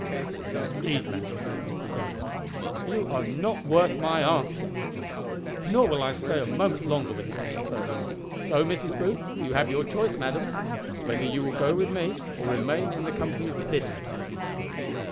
"Indeed, madam," said Mrs. Ellison, "you are not worth my answer; nor will I stay a moment longer with such a person. So, Mrs. Booth, you have your choice, madam, whether you will go with me, or remain in the company of this lady."